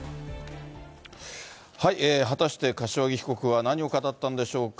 果たして柏木被告は何を語ったんでしょうか。